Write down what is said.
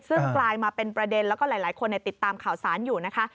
ซึ่งกลายมาเป็นประเด็นแล้วก็หลายคนติดตามข่าวสารอยู่นะคะ